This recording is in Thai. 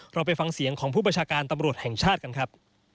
เราไปฟังเสียงของผู้ประชาการตำรวจแห่งชาติกันครับ